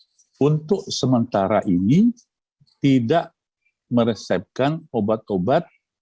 nah untuk sementara ini tidak meresepkan obat obat